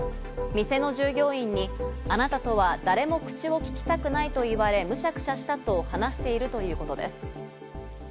店の従業員にあなたとは誰も口をききたくないと言われ、むしゃくしゃしたと話しているということです。